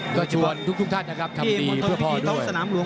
ก็ชวนทุกท่านนะครับทำดีเพื่อพ่อหลวง